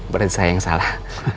berarti saya yang salah